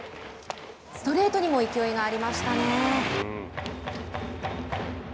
ストレートにも勢いがありましたね。